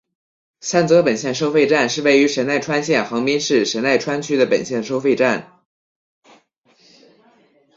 三泽本线收费站是位于神奈川县横滨市神奈川区的本线收费站。